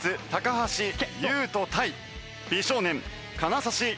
橋優斗対美少年金指一世。